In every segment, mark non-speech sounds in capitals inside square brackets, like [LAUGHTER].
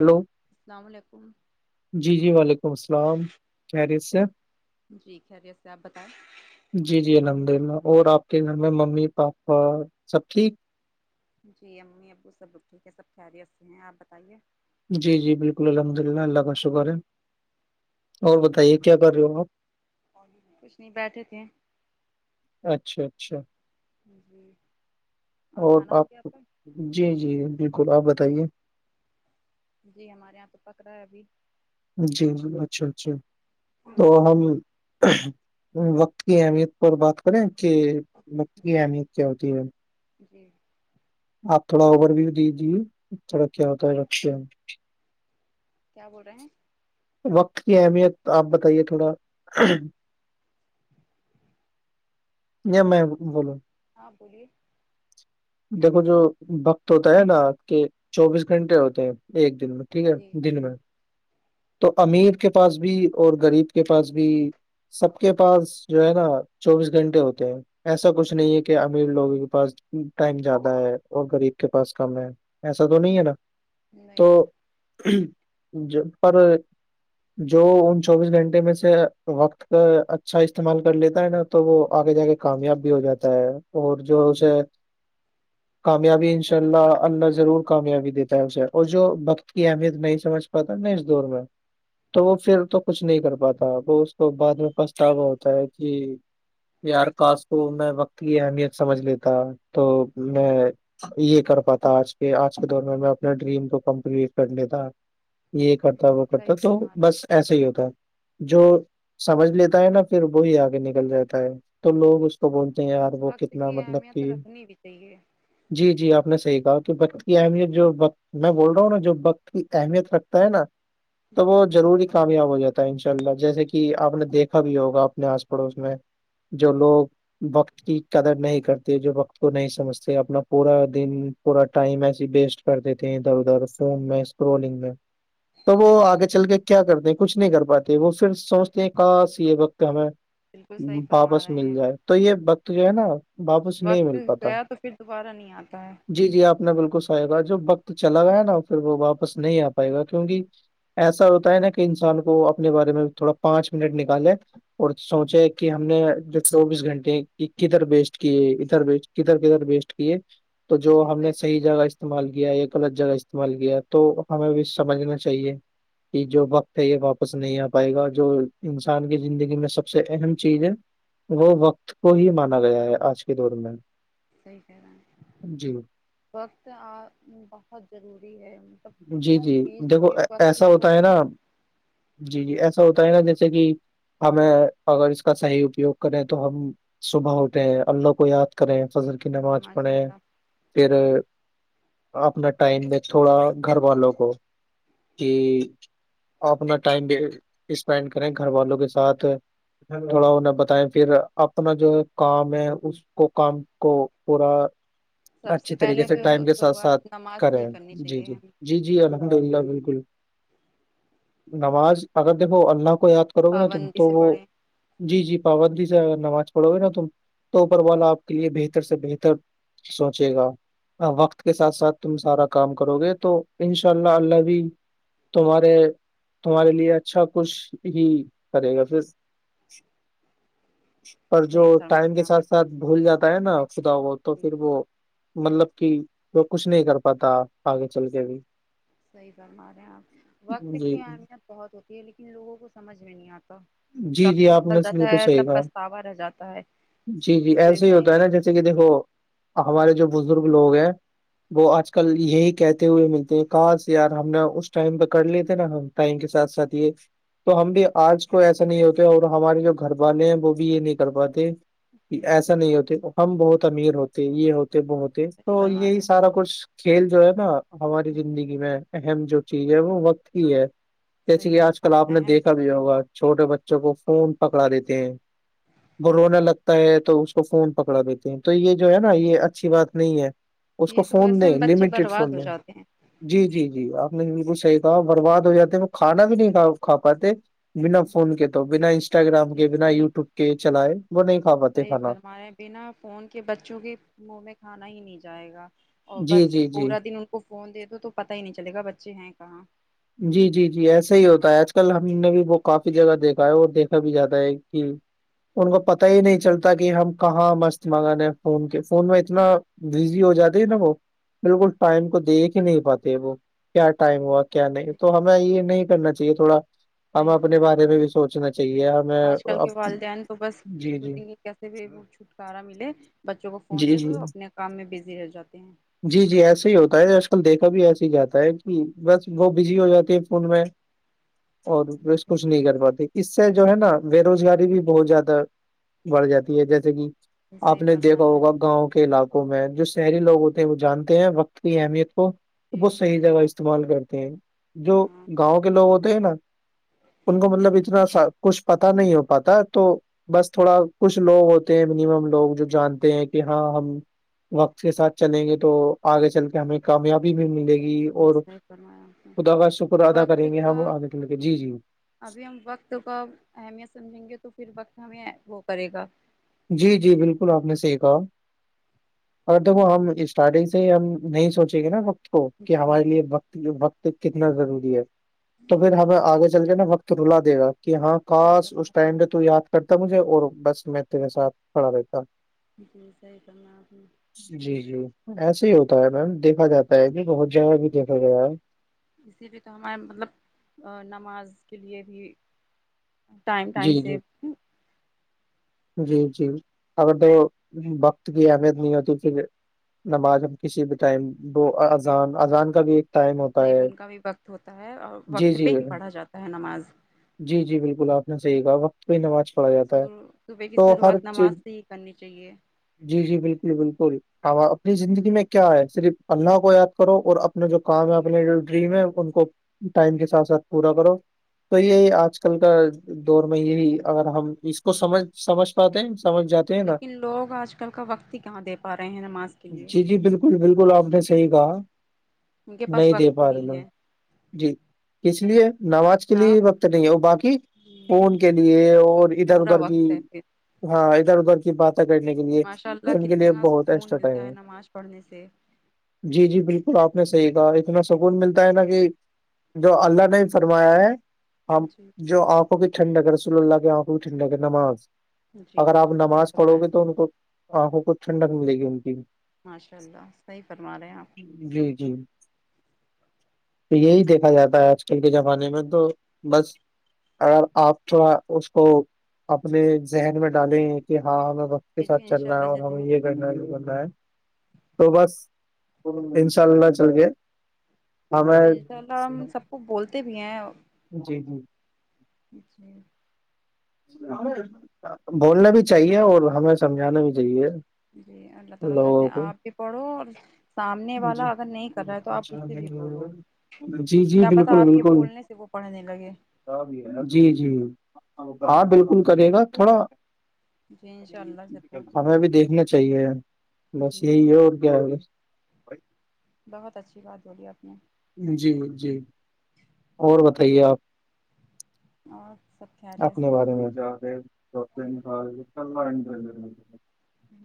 hello السلام علیکم جی جی وعلیکم السلام خیریت سے جی خیریت سے آپ بتائیں جی جی الد اللہ اور آپ کے گھر میں ممی پاپا سب ٹھیک جی امی ابو سب بک ٹھیک ہیں سب خیریت سے ہیں آپ بتائیے جی جی بالکل الحمد للہ اللہ کا شکر ہے اور بتائیے کیا کر رہے ہو آپ کچھ نہیں بیٹھے تھے اچھا اچھا جیی اور آپ جی جی بالکل آپ بتائیے جی ہمارے یہاں تو پکڑ رہا ہے ابھی جی جی اچھا اچھا تو ہم وقت کی اہمیت اور بات کریں کہ وقت کی جی اہمیت کیا ہوتی ہے جی آپ تھوڑا اوبر بھی دیجیے تھوڑا کیا ہوتا ہے رچ کیا بول رہے ہیں وقت کی اہمیت آپ بتائیے تھوڑا جی میں بولو ہاں بولیے دیکھو جو بقت ہوتا ہے نا کے چوبیس گھنٹے ہوتے ہیں ایک دن میں ٹھیک ہے جی دن میں تو امیر کے پاس بھی اور غریب کے پاس بھی سب کے پاس جو ہے نا چوبیس گھنٹے ہوتے ہیں ایسا کچھ نہیں ہے کہ امیر لوگوں کے پاس ٹائم زیادہ ہے اور غریب کے پاس کم ہے ایسا تو نہیں ہے نا تو نہیں جب پر جو ان چوبیس گھنٹے میں سے وقت کا اچھا استعمال کر لیتا ہے نا تو وہ آگے جا کے کامیاب بھی ہو جاتا ہے اور جو اسے کامیابی ماشاء انشاء اللہ صحیح بول رہے اللہ ہیں آپ ضرور کامیابی دیتا ہے اسے اور جو وقت کی اہمیت نہیں سمجھ پاتا نا اس دور میں تو وہ پھر تو کچھ نہیں کر پاتا وہ اس کو بعد میں پچھتاوا ہوتا ہے کہ یار کاس کو میں وقت کی اہمیت سمجھ لیتا تو میں یہ کر پاتا آج کے آج کے دور میں میں اپنے ڈریم کو کمپلیٹ کرنےتا یہ کرتا جی وہ صحیح کرتا تو فرما رہے ہیں بس ایسا ہی ہوتا ہے جو سمجھ لیتا ہے نا پھر وہی آگے نکل جاتا ہے تو لوگ اس تو بولتے ہیں یار وہ وقت کتنا کی مطلب اہمیت کہ رکھنی بھی چاہیے جی جی آپ نے صحیح کہا کہ بق کی اہمیت جو میں بول رہا ہوں نا جو وقت کی اہمیت رکھتا ہے نا تو وہ جی ضروری کامیاب ہو جاتا ہے ان شاء اللہ جیسے کہ آپ نے دیکھا بھی ہوگا اپنے آس پڑوس میں جو لوگ وقت کی قدر نہیں کرتے جو وقت کو نہیں سمجھتے اپنا پورا دن پورا ٹائم ایس ویسٹ کر دیتے ہیں ادھر ادھر فوم میں اسکرولنگ میں تو وہ آگے چل کے کیا کرتے ہیں کچھ نہیں کر پاتے وہ پھر سوچتے ہیں کہ سی یہ وقت ہمیں بالکل صحیح فرما واپس رہے مل ہیں جائے تو یہ وقت جو ہے نا واپس نہیں وقت مل پاتا گیا تو پھر دوبارہ نہیں آتا ہے جی جی آپ نے بالکل سی گا جو وقت چلا گیا ہے نا پھر وہ واپس نہیں آ پائے گا کیونکہ ایسا ہوتا ہے نا کہ انسان کو اپنے بارے میں تھوڑا پانچ منٹ نکالے اور سوچے کہ ہم نے چوبیس گھنٹے کی کدھر بیسٹ کیے ادھر بیسٹ کدھر کدھر بیسٹ کیے تو جو جی ہم نے صحیح فرما رہے جگہ ہیں استعمال کیا ایک غلط جگہ استعمال کیا تو ہمیں بھی سمجھنا چاہیے کہ جو وقت ہے یہ واپس نہیں آ پائے گا جو انسان کی زندگی میں سب سے اہم چیز ہے وہ وقت کو ہی مانا گیا ہے آج کے دور میں صحیح کہہ رہے ہیں جی وقت بہت ضروری ہے جی ہر جی چیز دیکھو کے وقت ایسا سے ہوتا ہے نا تو جی جی ایسا ہوتا گا جیسے کہ ہمیں اگر اس کا صحیح اپیوگ کریں تو ہم صبح اٹھیں اللہ کو یاد کریں فضل کی نماز ماشاء پڑھے اللہ پھر اپنا ٹائم ب تھوڑا گھر والوں کو کہ اپنا ٹائم بھی اسپینڈ کریں گھر والوں کے ساتھ تھوڑا انہیں بتائے پھر اپنا جو کام ہے اس کو کام کو پورا سب اچھی طریقے پہلے سے تو ٹائم کے ساتھ ساتھ شروعات نماز سے ہی کریں کرنی جی چاہیے ہمیں جی جی جی الحمد للہ بالکل نماز اگر دیکھو اللہ کو یاد کرو گے نا تم پابندی تو سے وہ پڑھیں جی جی پابندی سے ا نماز پڑھو گے نا تم تو اوپر وال آپ کے لیے بہتر سے بہتر سوچے گا وقت کے ساتھ ساتھ تم سارا کام کرو گے تو انشاء اللہ اللہ بھی تمہارے تمہارے لیے اچھا کچھ ہی کرے گا پھر [UNINTELLIGIBLE] پر جو صحیح فرما ٹائم رہے ہیں کے ساتھ آپ ساتھ بھول جاتا ہے نا خدا وہ تو جی پھر وہ مطلب کہ وہ کچھ نہیں کر پاتا آگے چل کے بھی صحیح فرما رہے ہیں آپ وقت جی کی اہمیت بہت ہوتی ہے لیکن لوگوں کو سمجھ میں نہیں آتا جب جی جی وک آپ نکل نے جاتا بالکل ہے صحیح تب کہا پچھتاوا رہ جاتا ہے پھر کہیں گے جے کہ دیکھو ہمارے جو بزرگ لوگ ہیں وہ آج کل یہی کہتے ہوئے ملتے ہیں کہاں سے یار ہم نے اس ٹائم پہ کر لیے تھے نا ہم ائم کے ساتھ ساتھ یہ تو ہم بھی آج اس کو ایسا نہیں ہوتا اور ہمارے جو گھر والے ہیں وہ بھی یہ نہیں کر پاتے کہ جی، ایسا نہیں ہوتے ہم بہت امیر ہوتے یہ ہوتے وہ ہوتے تو فرما رہے یہی ہیں سارا کچھ کھیل جو ہے نا ہماری زندگی میں اہم جو چیز ہے وہ وقت ہی ہے جیسے صحیح کہ آج بات کل آپ نے اہم دیکھا ہوگا چھوٹے بچوں کو فون پکڑا دیتے ہیں ب رونا لگتا ہے تو اس کو فون پکڑا دیتے ہیں تو یہ جو ہے نا یہ اچھی بات نہیں ہے اس کو یہ تو فون ویسے ہم دیں بچے لمیٹڈ برباد فون ہو دیں جاتے ہیں جی جی جی آپ نے بالکل صحیح کہا برباد ہو جاتے وہ کھانا بھی نہیںا کھا پاتے بنا فون کے تو بنا انسٹاگرام کے جی بنا صحیح یوٹیوب کے چلائے وہ نہیں کھا پاتے صحیح کھانا فرما رہے ہیں بنا فون کے بچوں کے منہ میں کھانا ہی نہیں جائے گا اور بس جی جی جی پورا دن ان کو فون دے دو تو پتا ہی نہیں چل گا بچے ہیں کہاں جی جی جی ایسا ہی ہوتا ہے آج کل ہم نے بھی وہ کافی جگہ دیکھا ہے اور دیکھا بھی جاتا ہے کہ ان کو پت ہی نہیں چلتا کہ ہم کہاں مست منگانے ہیں فون کے فون میں اتنا بزی ہو جاتی ہے نا وہ بالکل ٹائم کو دیکھ ہی نہیں پاتے وہ کیا ٹائم ہوا کیا نہیں تو ہمیں یہ نہیں کرنا چاہیے تھوڑا ہمیں صحیح اپنے فرما رہے بارے ہیں میں بھی سوچنا چاہیے ہمیں آج کل جی جی سے چھٹکارا ملے بچوں کو فون جی دے جی تو اپنے کام میں بزی رہ جاتے ہیں جی جی ایسے ہی ہوتا ہے آج کل دیکھا بھی ایس ہی جاتا ہے کہ بس وہ بزی ہو جاتی ہے فون میں اور بس کچھ نہیں کر پاتی اس سے جو ہے نا بے روزگاری بھی بہت زیادہ بڑھ جاتی ہے جیسے کہ جی آپ صحیح نے فرما دیکھا رہے ہیں ہوگا گاؤں کے علاقے میں جو شہری لوگ ہوتے ہیں وہ جانتے ہیں وقت کی اہمیت کو جی وہ صحیح جگہ فرما رہے استعمال کرتے ہیں، جو ہاں گاؤں کے لوگ ہوتے ہیں نا ان کو مطلب اتنا سا کچھ پتا نہیں ہو پاتا تو بس تھوڑا کچھ لوگ ہوتے ہیں منیمم لوگ جو جانتے ہیں کہ ہاں ہم وقت کے ساتھ چلیں گے تو آگے چل کے ہمیں کامیابی بھی ملے گی اور بنوایا خدا کا شکر ادا کریں گے ہم آنے کے لے کے جی جی ابھی ہم وقت کا اہمیت سمجھیں گے تو پھر وقت ہمیں وہ کرے گا جی جی بالکل آپ نے صحیح کہا اگر دیکھو ہم اسٹارٹنگ سے ہم نہیں سوچیں گے نا کو جی کہ ہمارے لیے وت وقت کتنا ضروری ہے تو پھر ہمیں آگے جل ج نا وقت رلا دے گا کہ ہاں صحیح خاس بات اس ہے ٹائم پ تو یاد کرتا مجھے اور بس میں ساتھ پڑا رہتا جی صحی کرنا آپ نے جی جی ایسے ہی ہوتا ہے میم دیکھا جاتا ہے کہ بہت جگہ بھی دیکھا گیاا ہے اسی لیے تو ہمارے مطلب نماز کے لیے بھی ٹائم ٹائم جی سے جی جی جی اگر تو وقت کی اہمیت نہیں ہوتی پھر نماز ہم کسی بھی ٹائم وہ اذان اذان کا بھی ٹائم ہوتا نہیں ہے ان کا بھی وقت ہوتا ہے اور جی وقت جی پہ ہی پڑھا جاتا ہے نماز جی جی بالکل آپ نے صحیح کہا وقت کوئی نماز پڑھا جاتا ہے صبح کی تو ہر شروعات چیز نماز سے ہی کرنی چاہیے جی جی بالکل بالکل ہ اپنی زندگی میں کیا ہے صرف اللہ کو یاد کرو اور اپنا جو کام ہے اپنے جو ڈریم ہے ان کو ٹائم کے ساتھ ساتھ پورا کرو تو یہی آج کل کا دور میں یہی اگر ہم اس کو سمج سمجھ پاتے ہیں سمجھ جاتے ہیں نا لیکن لوگ آج کل کا وقت ہی کہاں دے پا رہے ہیں نماز کے لیے جی جی بالکل آپ نے صحیح کہا ان کے پاس نہیں دے وقت ہی پا رہے نہیں ن ہے جی اس لیے نماز اس کے آپ لیے وقت نہیں ہے اور باقی فون کے لیے اور ادھر پورا ادھر بھی وقت ہے پھر ہاں ادھر ادھر کی بات کنے کے لیے ماشاء تو اللہ ان کے لیے کتنا بہت سکون ایکسٹرا ٹائم ملتا ہے نماز پڑھنے سے جی جی بالکل آپ نے صحیح کہا اتنا سکون ملتا ہے نا کہ جو اللہ نے ہی فرمایا ہے ہم جی جو آنکھ کو بھی ٹھنڈا ہے رسول اللہ کی آنکھ کو بھی ٹھنڈ اگ نماز جی اگر آپ صحیح نماز پڑھو فرمایا گے آپ تو ان کو آنکھوں کو ٹھنڈک ملے گی ان کی ماشاء اللہ صحیح فرما رہے ہیں آپ جی جی تو یہی دیکھا جاتا ہے آج کل کے زمانے میں تو بس اگر آپ تھوڑا اس کو اپنے ذہن میں ڈالیں کہ ہاں کے جی ساتھ جی ان شاء چلنا ہے اللہ اور ضرور ہمیں یہ نا بتا ہے تو بس ان شاء اللہ چل کےئے انشاء اللہ ہم سب کو بولتے بھی ہیں جی جی جچی بولنا بھی چاہیے اور ہمیں سمجھانا بھی چاہیے جی اللہ تعالی کہتے لوگوں ہیں کو اپ بھی پڑھو اور سامنے جی والا اگر نہیں کر ہے تو اپ اس سے بھی بولو جی جی کیا بالکل پتا آپ کے بالکل بولنے سے وہ پڑھنے لگے سب ہے جی جی ہاں بالکل کرے گا تھوڑا جیین سا ہمیں بھی دیکھنا چاہیے بس جی یہی ہے اور کیا ہو بہت اچھی بات بولی آپ نے جی جی اور بتائیے آپ اور ست اپنے بارے میں جا کے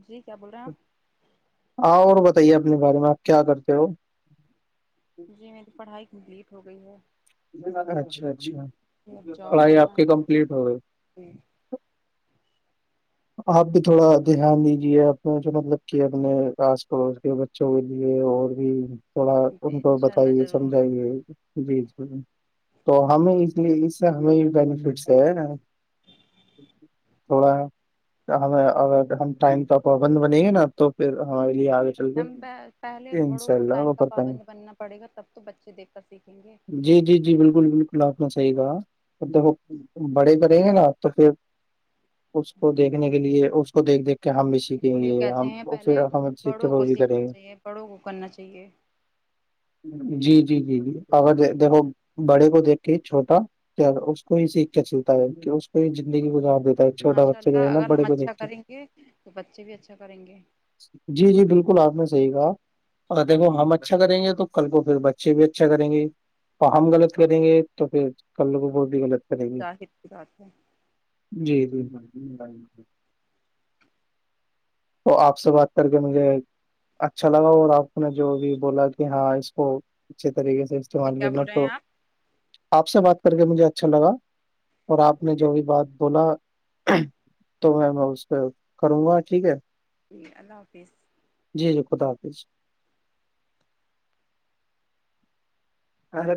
جی کیا بول رہے ہیں آپ ہ اور بتائیے اپنے بارے میں آپ کیا کرتے ہو جی میری پڑھائی کمپلیٹ ہو گئی ہے اچھا اچھا جی اب جاب پڑھائی آپ کرنا ہے کے کمپلیٹ ہو گئے جی آپ بھی تھوڑا دھیان دیجیے اپنے جو مطلب کہ اپنے آس پڑوس کے ب بوں کے لیے اور بھی تھوڑا ان جی کو انشاء اللہ بتائیے ضرور سمجائیے جی جی تو ہمیں اس لیے اس سے ہمیں بینیفٹس ہے تھوڑا ہے ہمیں ا ہم ٹائم کا پرابند بنیں گے نا تو پھر ہمارے لیے آگے چل ہم کے پہلے بڑوں انشاء کو اللہ ٹائگ وہ کا کر پائیں پابند گے بننا پڑے گا تب تو بچے دیکھ کر سیکھیں گے جی جی جی بالکل بالکل آپنا صحی گا بڑے کریں گے ناپ تو پھر اس کو دیکھنے کے لیے اس کو دیکھ دیکھ کے ہم بھی اس سیکھیں لیے گے کہتے ہم ہیں پھر پہلے ہم سیکھ کے بڑوں وہ کو بھی کریں سیکھنا گے چاہیے بڑوں کو کرنا چاہیے جی جی جی جی اگر دیکھو بڑے کو دیکھ کے چھوٹا کیا اس کو ہی سیکھ کے چلتا ہے کہ اس کو ہی زندگی گزار دیتا ہے چھوٹا ماشاء بچہ جو ہے اللہ نا اگر بڑے ہم کو اچھا دیکھ کے کریں گے تو بچے بھی اچھا کریں گے جی جی بالکل آپ نے صحیح کہا اگر دیکھو ہم اچھا کریں گے تو کل کو پھر بچے بھی اچھا کریں گے تو ہم غلط کریں گے تو پھر ک لوگ کو ب بھی غلط کریں گے اہر کی بات ہے جی جی تو آپ سے بات کر کے مجھے اچھا لگا اور آپ کو نے جو بھی بولا کہ ہاں اس کو اچھے طریقے سے ٹھیک کیا استعمالنا بول رہے ہیں تو آپ آپ سے بات کر کے مجھے اچھا لگا اور آپ نے جو بھی بات بولا تو میں میں اس پہ کروں گا ٹھیک ہے جی اللہ حافظ جی جی خدا حافظ ہاں